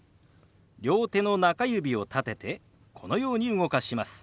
両手の中指を立ててこのように動かします。